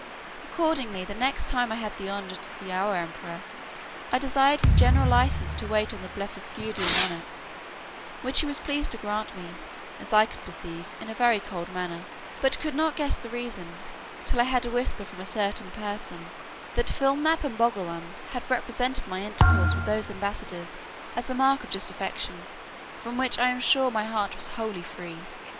Accordingly, the next time I had the honour to see our emperor, I desired his general license to wait on the Blefuscudian monarch, which he was pleased to grant me, as I could perceive, in a very cold manner; but could not guess the reason, till I had a whisper from a certain person, "that Flimnap and Bolgolam had represented my intercourse with those ambassadors as a mark of disaffection;" from which I am sure my heart was wholly free.